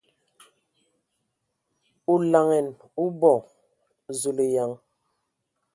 O laŋanǝ o boo ! Zulǝyaŋ!